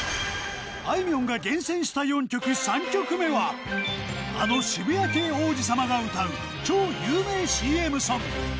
あいみょんが厳選した４曲、３曲目は、あの渋谷系王子様が歌う超有名ＣＭソング。